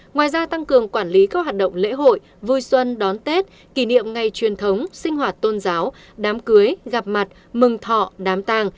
ngoài ra tăng cường quản lý các hoạt động lễ hội vui xuân đón tết kỷ niệm ngày truyền thống sinh hoạt tôn giáo đám cưới gặp mặt mừng thọ đám tàng